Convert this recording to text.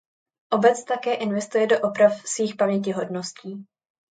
Obec také investuje do oprav svých pamětihodností.